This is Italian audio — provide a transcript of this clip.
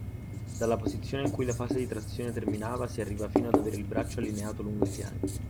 Dalla posizione in cui la fase di trazione terminava si arriva fino ad avere il braccio allineato lungo i fianchi.